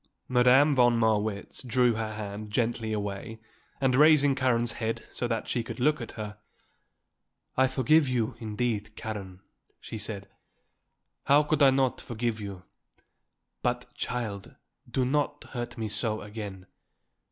Madame von Marwitz drew her hand gently away and raising Karen's head so that she could look at her, "I forgive you, indeed, Karen," she said. "How could I not forgive you? But, child, do not hurt me so again.